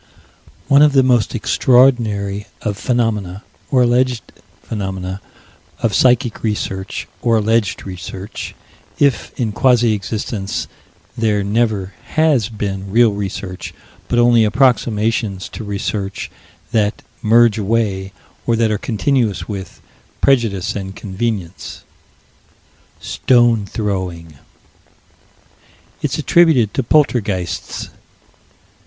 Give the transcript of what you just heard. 13 One of the most extraordinary of phenomena, or alleged phenomena, of psychic research, or alleged research if in quasi existence there never has been real research, but only approximations to research that merge away, or that are continuous with, prejudice and convenience "Stone throwing." It's attributed to poltergeists.